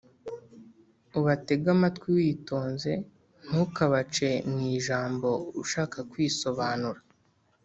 ubatege amatwi witonze Ntukabace mu ijambo ushaka kwisobanura